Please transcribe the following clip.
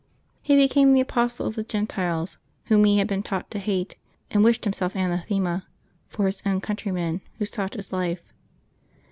He became the apostle of the Gentiles, whom he had been taught to hate, and wished himself anathema for his own countrjTnen, who sought his life.